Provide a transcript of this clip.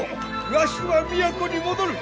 わしは都に戻る！